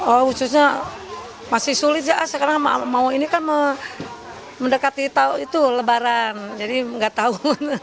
oh mendekati itu lebaran jadi nggak tahu